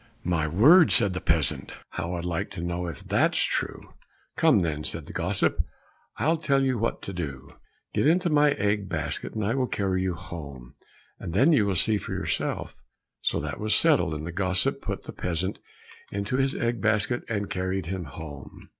"My word!" said the peasant. "How I'd like to know if that's true!" "Come, then," said the gossip, "I'll tell you what to do. Get into my egg basket and I will carry you home, and then you will see for yourself." So that was settled, and the gossip put the peasant into his egg basket and carried him home.